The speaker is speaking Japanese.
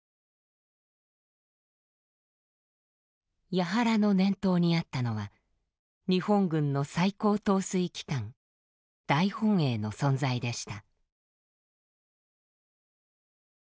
八原の念頭にあったのは日本軍の最高統帥機関大本営の存在でした。